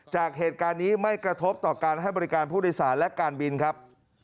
จากเหตุการณ์นี้ไม่กระทบต่อการให้บริการผู้โดยสารและการบินครับ